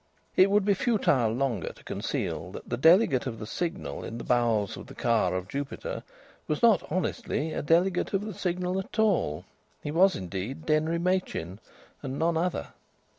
It would be futile longer to conceal that the delegate of the Signal in the bowels of the car of Jupiter was not honestly a delegate of the Signal at all. He was, indeed, Denry Machin, and none other.